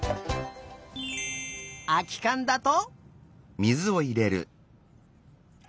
あきかんだと。